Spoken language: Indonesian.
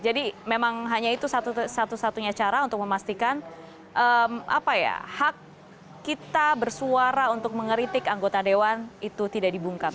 jadi memang hanya itu satu satunya cara untuk memastikan hak kita bersuara untuk mengeritik anggota dewan itu tidak dibungkam